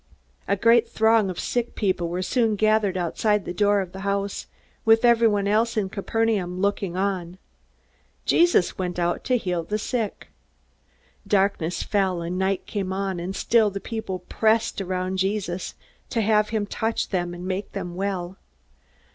A great throng of sick people were soon gathered outside the door of the house, with everyone else in Capernaum looking on. Jesus came out to heal the sick. Darkness fell, and night came on, and still the people pressed around Jesus to have him touch them and make them well.